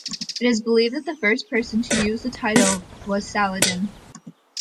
It is believed that the first person to use the title was Saladin.